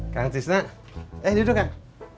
kang tisna eh duduk kang